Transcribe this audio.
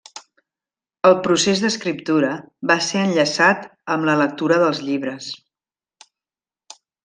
El procés d'escriptura va ser enllaçat amb la lectura dels llibres.